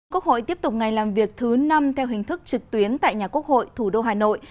quốc hội tiếp tục ngày làm việc thứ năm theo hình thức trực tuyến tại nhà quốc hội thủ đô hà nội